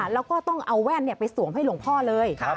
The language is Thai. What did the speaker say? แล้วก็ต้องเอาแว่นไปสวมให้หลวงพ่อเลย